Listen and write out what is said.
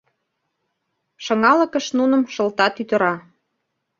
Шыҥалыкыш нуным шылта тӱтыра